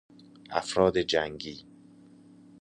افراد جنگی